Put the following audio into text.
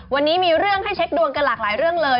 วันนี้มีเรื่องให้เช็คดวงกันหลากหลายเรื่องเลย